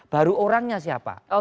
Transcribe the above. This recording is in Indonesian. baru orangnya siapa